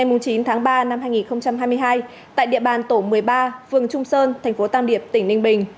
khoảng một mươi chín h ba mươi phút ngày chín tháng ba năm hai nghìn hai mươi hai tại địa bàn tổ một mươi ba vương trung sơn tp tam điệp tỉnh ninh bình